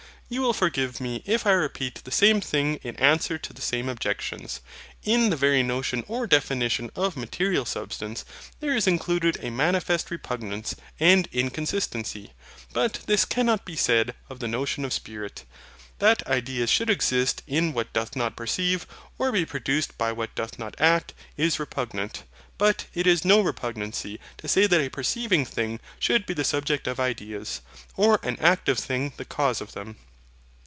You will forgive me if I repeat the same things in answer to the same objections. In the very notion or definition of MATERIAL SUBSTANCE, there is included a manifest repugnance and inconsistency. But this cannot be said of the notion of Spirit. That ideas should exist in what doth not perceive, or be produced by what doth not act, is repugnant. But, it is no repugnancy to say that a perceiving thing should be the subject of ideas, or an active thing the cause of them.